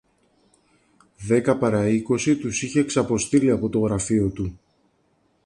Δέκα πάρα είκοσι τους είχε ξαποστείλει από το γραφείο του